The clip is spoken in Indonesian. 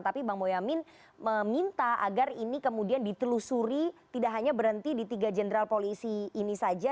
tapi bang boyamin meminta agar ini kemudian ditelusuri tidak hanya berhenti di tiga jenderal polisi ini saja